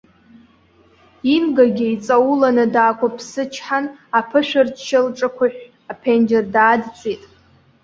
Ингагьы иҵауланы даақәыԥсычҳан, аԥышәырчча лҿықәыҳәҳә, аԥенџьыр даадҵит.